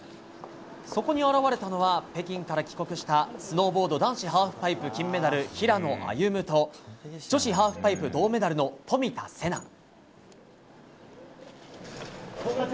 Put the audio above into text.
そこに現れたのは北京から帰国したスノーボード男子ハーフパイプ金メダル平野歩夢と女子ハーフパイプ銅メダルの冨田せな。